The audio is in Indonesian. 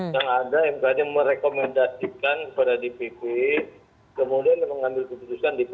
yang ada mkd merekomendasikan kepada dpp kemudian mengambil keputusan dpp